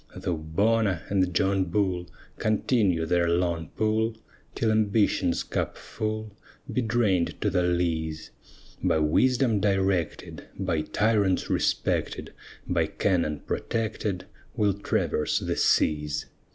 Though Bona and John Bull Continue their long pull, Till ambition's cup full Be drain'd to the lees; By wisdom directed, By tyrants respected, By cannon protected, We'll traverse the seas.